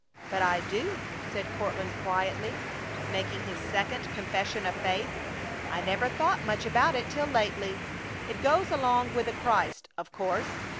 "But I do," said Courtland, quietly, making his second confession of faith. "I never thought much about it till lately. It goes along with a Christ, of course.